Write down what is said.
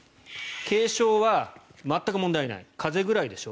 軽症は全く問題ない風邪ぐらいでしょ